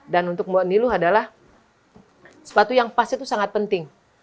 dan untuk mbak nilo adalah sepatu yang pas itu sangat penting